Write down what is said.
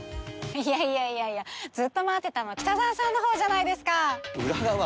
いやいやいやいやずっと待ってたの北澤さんのほうじゃないですか！